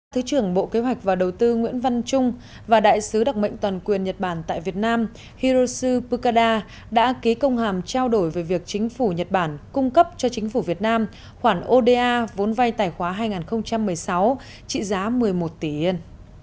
thứ trưởng bộ kế hoạch và đầu tư nguyễn văn trung và đại sứ đặc mệnh toàn quyền nhật bản tại việt nam hiroshi bukada đã ký công hàm trao đổi về việc chính phủ nhật bản cung cấp cho chính phủ việt nam khoản oda vốn vay tài khoá hai nghìn một mươi sáu trị giá một mươi một tỷ yên